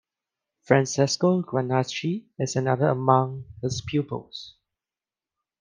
Francesco Granacci is another among his pupils.